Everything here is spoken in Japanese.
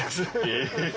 え。